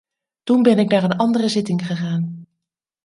Toen ben ik naar een andere zitting gegaan.